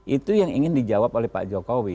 itu yang ingin dijawab oleh pak jokowi